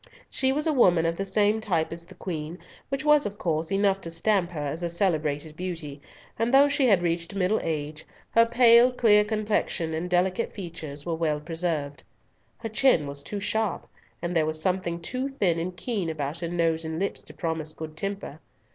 She was a woman of the same type as the Queen, which was of course enough to stamp her as a celebrated beauty, and though she had reached middle age, her pale, clear complexion and delicate features were well preserved. Her chin was too sharp, and there was something too thin and keen about her nose and lips to promise good temper.